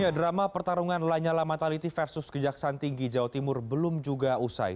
drama pertarungan lanyala mataliti versus kejaksaan tinggi jawa timur belum juga usai